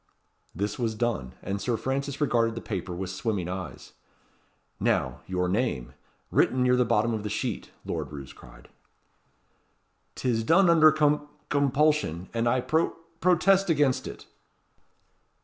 This was done; and Sir Francis regarded the paper with swimming eyes. "Now, your name, written near the bottom of the sheet," Lord Roos cried. "'Tis done under com compulsion; and I pro protest against it."